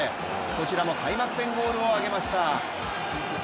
こちらも開幕戦ゴールを挙げました。